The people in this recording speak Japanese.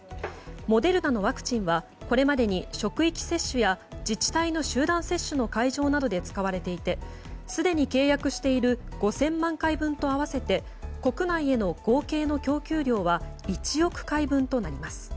モデルナのワクチンはこれまでに職域接種や、自治体の集団接種の会場などで使われていてすでに契約している５０００万回分と合わせて国内への合計の供給量は１億回分になります。